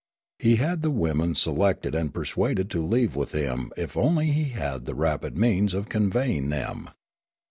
He had the women selected and persuaded to leave with him if only he had the rapid means of conveying them.